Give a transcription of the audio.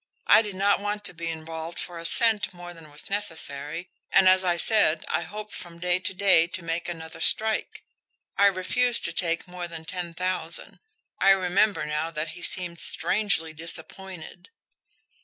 I did not want to be involved for a cent more than was necessary, and, as I said, I hoped from day to day to make another strike. I refused to take more than ten thousand. I remember now that he seemed strangely disappointed."